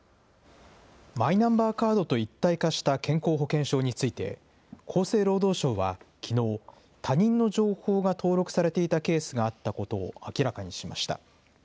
マイナンバーカードと一体化した健康保険証について、厚生労働省はきのう、他人の情報が登録されていたケースがあったことを明らかにしました。